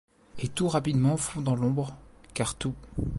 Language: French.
Et tout rapidement fond dans l’ombre ; car tout